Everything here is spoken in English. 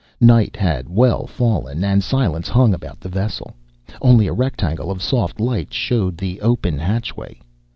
Night had well fallen, and silence hung about the vessel. Only a rectangle of soft light showed the open hatchway.